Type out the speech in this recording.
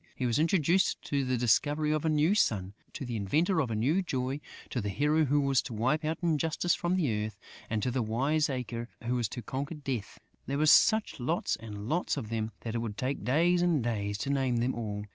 He was introduced to the discoverer of a new sun, to the inventor of a new joy, to the hero who was to wipe out injustice from the earth and to the wiseacre who was to conquer Death.... There were such lots and lots of them that it would take days and days to name them all.